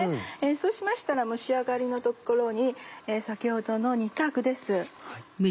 そうしましたら蒸し上がりのところに先ほどの煮た具です。